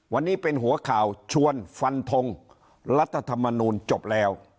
วันนี้เป็นหัวข่าวชวนฟันทงรัฐธรรมนูลจบแล้ว